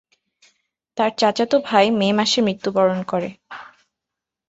তার চাচাতো ভাই মে মাসে মৃত্যুবরণ করে।